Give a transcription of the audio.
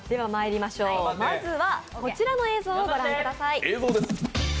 まずはこちらの映像をご覧ください。